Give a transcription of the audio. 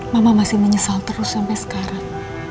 mama masih menyesal terus sampai sekarang